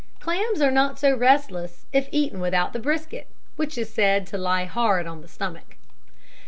Clams are not so restless if eaten without the brisket, which is said to lie hard on the stomach.